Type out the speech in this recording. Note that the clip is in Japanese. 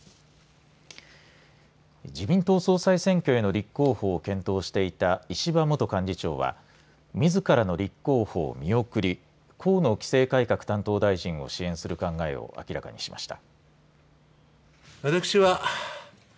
自民党総裁選挙への立候補を検討していた石破元幹事長は、みずからの立候補を見送り、河野規制改革担当大臣を支援する考えを明らかにしました。